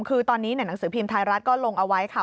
คือตอนนี้หนังสือพิมพ์ไทยรัฐก็ลงเอาไว้ค่ะ